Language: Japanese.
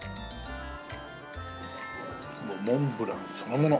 もうモンブランそのもの。